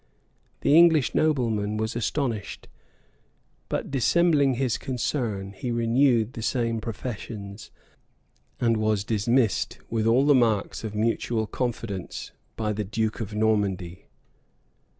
[*] The English nobleman was astonished; but dissembling his concern, he renewed the same professions, and was dismissed with all the marks of mutual confidence by the duke of Normandy.